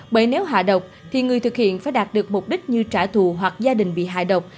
bởi nếu hạ độc thì người thực hiện phải đạt được mục đích như trả thù hoặc gia đình bị hại độc